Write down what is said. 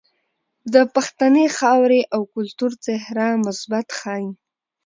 د پښتنې خاورې او کلتور څهره مثبت ښائي.